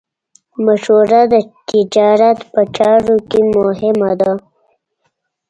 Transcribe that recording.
مشوره د تجارت په چارو کې مهمه ده.